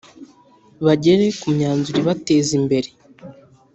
bagere ku myanzuro ibateza imbere.